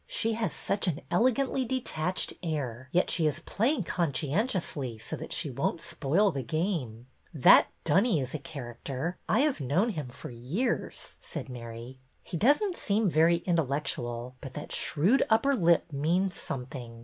'' She has such an elegantly detached air, yet she is playing con scientiously so that she won't spoil the game." That Dunny is a character. I have known him for years," said Mary. MARY KING'S PLAN 255 '' He does n't seem very intellectual, but that shrewd upper lip means something.